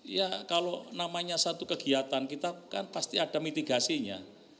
ya kalau namanya satu kegiatan kita kan pasti ada mitigasinya